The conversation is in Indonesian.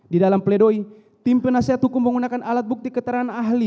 di dalam pledoi tim penasihat hukum menggunakan alat bukti keterangan ahli